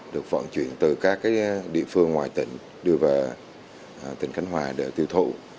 được vận chuyển từ các địa phương ngoài tỉnh đưa vào tp nha trang để tiêu thụ